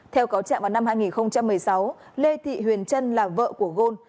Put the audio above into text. theo cáo trạng vào năm hai nghìn một mươi sáu lê thị huyền trân là vợ của gôn